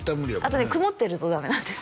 あとね曇ってるとダメなんです